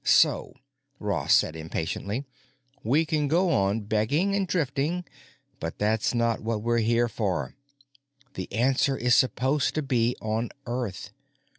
"So," Ross said impatiently, "we can go on begging and drifting. But that's not what we're here for. The answer is supposed to be on Earth.